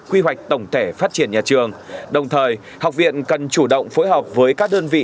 quy hoạch tổng thể phát triển nhà trường đồng thời học viện cần chủ động phối hợp với các đơn vị